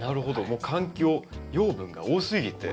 もう環境養分が多すぎて。